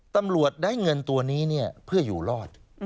ตำรวจได้เงินตัวนี้เพื่ออยู่รอด